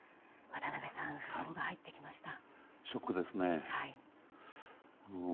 渡辺さん、訃報が入ってきました。